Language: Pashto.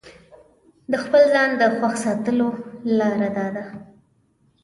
د خپل ځان د خوښ ساتلو لاره داده.